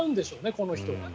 この人は。